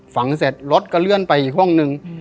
ฝังเสร็จล็อตกระเลื่อนไปอีกห้องนึง